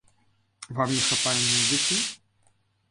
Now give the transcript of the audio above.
Вам не хапае музыкі?